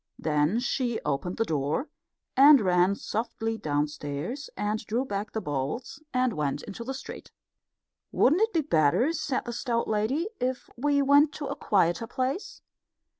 Then she opened the door and ran softly downstairs, and drew back the bolts, and went into the street. "Wouldn't it be better," said the stout lady, "if we went to a quieter place?"